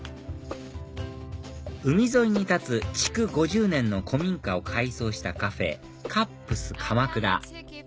海沿いに立つ築５０年の古民家を改装したカフェ